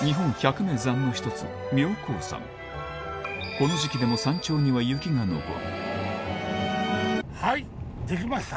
この時期でも山頂には雪が残る「できました」？